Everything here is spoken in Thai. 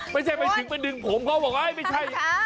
ไม่ใช่ไปนึงผมเขาบอกไอ้ยไม่ใช่